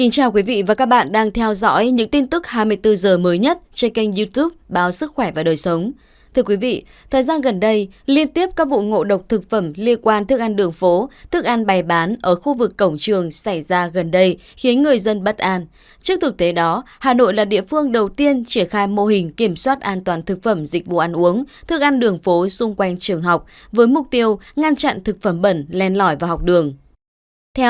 các bạn hãy đăng ký kênh để ủng hộ kênh của chúng mình nhé